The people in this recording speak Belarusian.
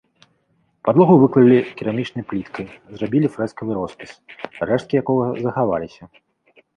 Падлогу выклалі керамічнай пліткай, зрабілі фрэскавы роспіс, рэшткі якога захаваліся.